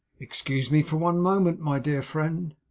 'Excuse me for one moment, my dear friend.